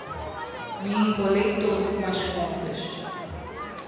Me enrolei todo com as contas.